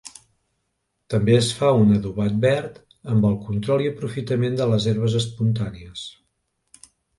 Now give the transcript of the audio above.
També es fa un adobat verd amb el control i aprofitament de les herbes espontànies.